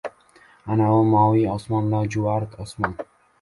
"Anavi moviy olam, lojuvard osmon.